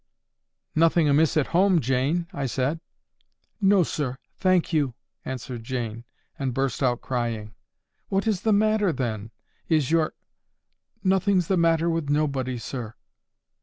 "Nothing amiss at home, Jane?" I said. "No, sir, thank you," answered Jane, and burst out crying. "What is the matter, then? Is your——" "Nothing's the matter with nobody, sir."